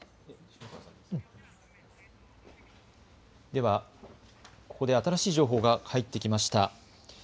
では、ここで新しい情報が入ってきました。